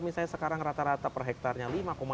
misalnya sekarang rata rata per hektarnya